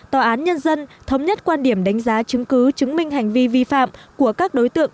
tòa án nhân dân thống nhất quan điểm đánh giá chứng cứ chứng minh hành vi vi phạm của các đối tượng